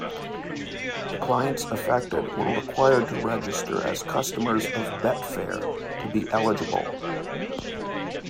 The clients affected were required to register as customers of Betfair to be eligible.